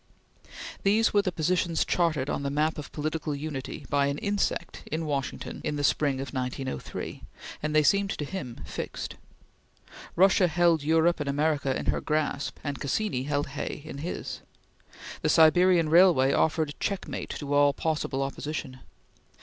These were the positions charted on the map of political unity by an insect in Washington in the spring of 1903; and they seemed to him fixed. Russia held Europe and America in her grasp, and Cassini held Hay in his. The Siberian Railway offered checkmate to all possible opposition.